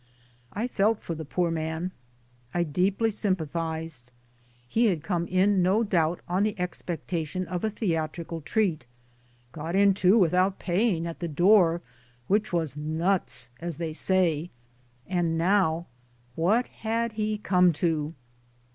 I felt for the poor man I deeply sympathized He had come in no doubt on the expectation of a theatrical treat got in too without paying at the door, which was nuts, as they say and now what had he come to?